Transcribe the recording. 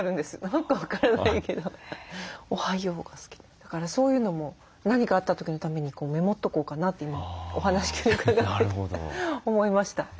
だからそういうのも何かあった時のためにメモっとこうかなって今お話伺って思いました。